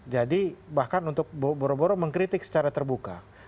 jadi bahkan untuk boro boro mengkritik secara terbuka